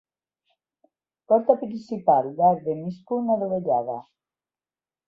Porta principal d'arc de mig punt adovellada.